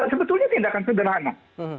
sebetulnya tindakan sederhana